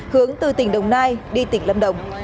hướng từ tỉnh đồng nai đi tỉnh lâm đồng